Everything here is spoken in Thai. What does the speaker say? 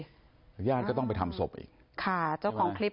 พระย่านก็ต้องไปทำศพอีก